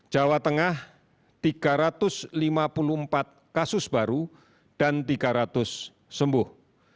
jawa tengah tiga ratus lima puluh empat kasus baru dan tiga ratus sembuh